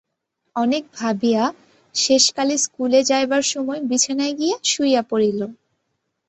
অনেক ভাবিয়া, শেষকালে স্কুলে যাইবার সময় বিছানায় গিয়া শুইয়া পড়িল।